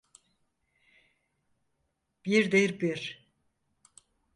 Birdir bir!